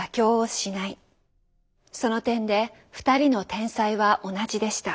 その点で二人の天才は同じでした。